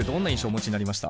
お持ちになりました？